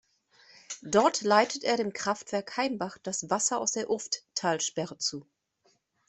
Dort leitet er dem Kraftwerk Heimbach das Wasser aus der Urfttalsperre zu.